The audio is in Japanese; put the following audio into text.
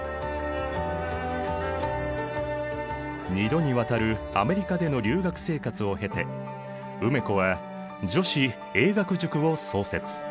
２度にわたるアメリカでの留学生活を経て梅子は女子英学塾を創設。